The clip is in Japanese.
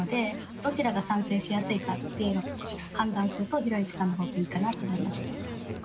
どちらが賛成しやすいかっていうのを判断するとひろゆきさんのほうがいいかなと思いました。